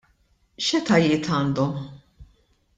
X'etajiet għandhom?